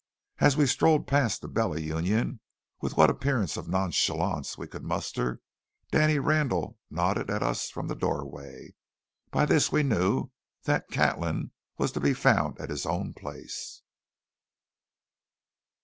As we strolled past the Bella Union with what appearance of nonchalance we could muster, Danny Randall nodded at us from the doorway. By this we knew that Catlin was to be found at his own place.